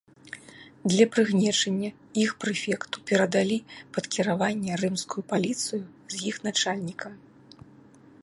Для прыгнечання іх прэфекту перадалі пад кіраванне рымскую паліцыю з іх начальнікам.